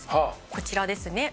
こちらですね。